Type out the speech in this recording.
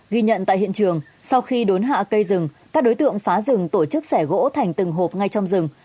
ghi nhận tại hiện trường sau khi đốn hạ cây rừng các đối tượng phá rừng tổ chức xẻ gỗ thành từng hộp ngay trong rừng